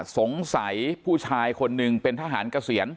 สงสัยผู้ชายคนหนึ่งเป็นทหารเกษียณ